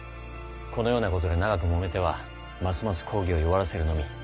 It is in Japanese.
このようなことで長くもめてはますます公儀を弱らせるのみ。